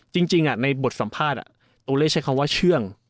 จริงในบทสัมภาษณ์ตัวเลขใช้คำว่าเชื่อง